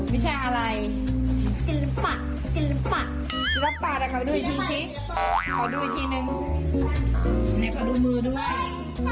ไม่ใช่อะไรศิลปะศิลปะศิลปะแต่ขอดูอีกทีสิขอดูอีกทีนึงนี่ขอดูมือด้วย